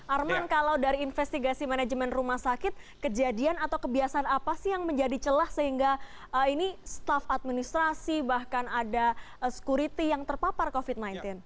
arman kalau dari investigasi manajemen rumah sakit kejadian atau kebiasaan apa sih yang menjadi celah sehingga ini staff administrasi bahkan ada security yang terpapar covid sembilan belas